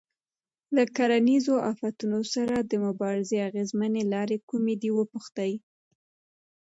له کرنیزو آفتونو سره د مبارزې اغېزمنې لارې کومې دي وپوښتئ.